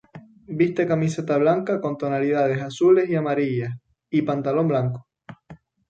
Viste camiseta blanca con tonalidades azules y amarillas, y pantalón blanco.